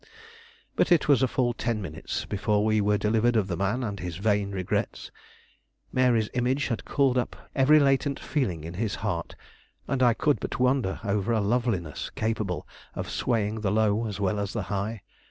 But it was full ten minutes before we were delivered of the man and his vain regrets. Mary's image had called up every latent feeling in his heart, and I could but wonder over a loveliness capable of swaying the low as well as the high.